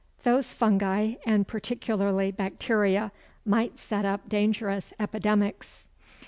Those fungi, and particularly bacteria, might set up dangerous epidemics.